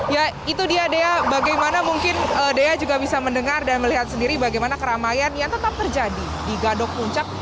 ya itu dia dea bagaimana mungkin dea juga bisa mendengar dan melihat sendiri bagaimana keramaian yang tetap terjadi di gadok puncak